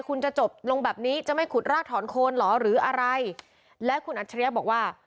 คุณจะจบลงแบบนี้จะไม่ขุดรากถอนโคนเหรอหรืออะไรและคุณอัจฉริยะบอกว่า